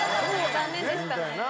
残念でしたね。